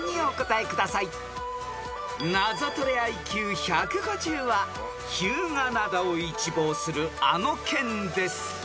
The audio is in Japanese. ［ナゾトレＩＱ１５０は日向灘を一望するあの県です］